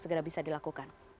segera bisa dilakukan